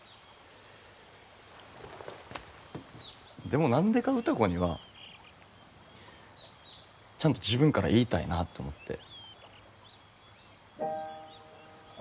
でも何でか歌子にはちゃんと自分から言いたいなって思って。